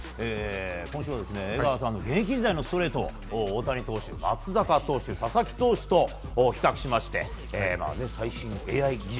今週は江川さんのストレートを大谷投手、松坂投手佐々木投手と比較しまして最新ＡＩ技術。